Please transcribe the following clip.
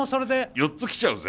４つ来ちゃうぜ。